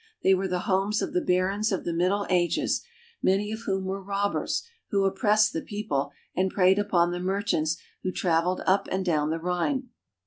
They were the homes of the barons of the Middle Ages, many of whom were robbers, who oppressed the people, and preyed upon the merchants who traveled up and down the Rhine.